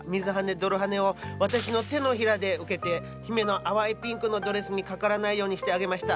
泥はねを私の手のひらで受けて姫の淡いピンクのドレスにかからないようにしてあげました。